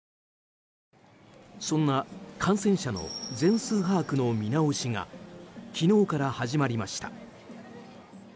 そんな感染者の全数把握の見直しが昨日から始まりました。